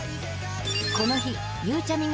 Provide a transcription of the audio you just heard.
この日ゆうちゃみ